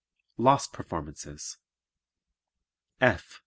Lost Performances F.